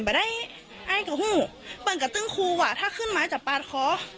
ไม่ได้ไอ้กระฮุเป็นกระตึงคูกว่าถ้าขึ้นมาจากปลาดคอ